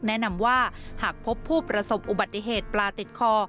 แนะนำว่าหากพบผู้ประสบอุบัติเหตุปลาติดคอ